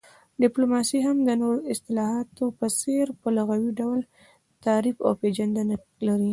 ډيپلوماسي هم د نورو اصطلاحاتو په څير په لغوي ډول تعريف او پيژندنه لري